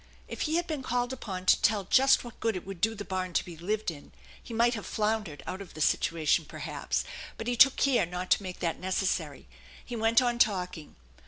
If he had been called upon to tell just what good it would do the barn to be lived in, he might have floundered out of the situation, perhaps; but he took care not to make that necessary. He went on talking.